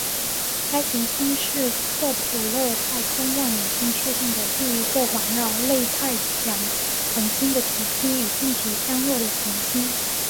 该行星是克卜勒太空望远镜确认第一个环绕类太阳恒星的体积与地球相若的行星。